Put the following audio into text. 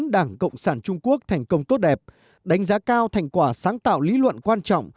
đảng cộng sản trung quốc thành công tốt đẹp đánh giá cao thành quả sáng tạo lý luận quan trọng